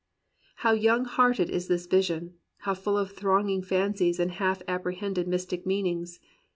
'* How young hearted is this vision, how full of thronging fancies and half apprehended mystic meanings